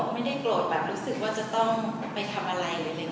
ไม่ได้โกรธแบบรู้สึกว่าจะต้องไปทำอะไรเลย